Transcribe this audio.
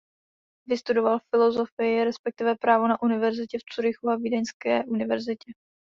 Vystudoval filozofii respektive právo na Univerzitě v Curychu a Vídeňské univerzitě.